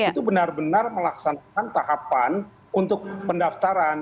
itu benar benar melaksanakan tahapan untuk pendaftaran